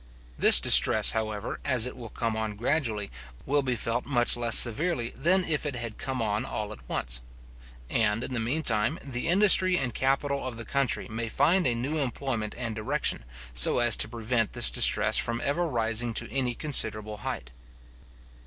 This distress, however, as it will come on gradually, will be felt much less severely than if it had come on all at once; and, in the mean time, the industry and capital of the country may find a new employment and direction, so as to prevent this distress from ever rising to any considerable height.